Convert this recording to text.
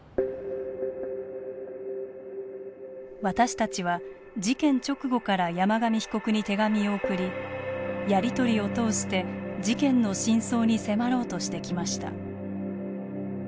私たちは事件直後から山上被告に手紙を送りやり取りを通して事件の真相に迫ろうとしてきました。